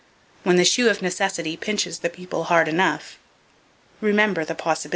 When the shoe of Necessity pinches the People hard enough, remember the possibilities in deer.